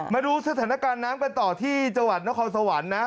มาดูสถานการณ์น้ำกันต่อที่จังหวัดนครสวรรค์นะ